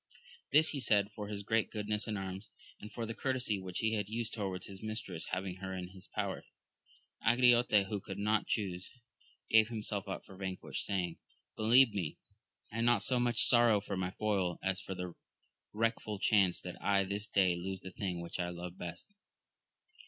This he said for his great goodness in arms, and for the courtesy which he had used toward his mistress, having her in his power. Angriote, who could not chuse, gave himself up for vanquished, saying. Believe me, I not so much sorrow for my foil, as for the wreckful chance that I this day lose the thing which I love best.